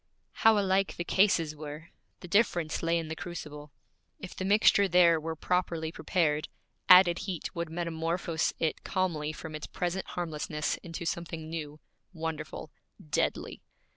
How alike the cases were! The difference lay in the crucible. If the mixture there were properly prepared, added heat would metamorphose it calmly from its present harmlessness into something new, wonderful, deadly.